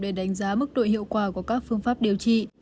để đánh giá mức độ hiệu quả của các phương pháp điều trị